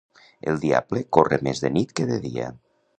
El diable corre més de nit que de dia.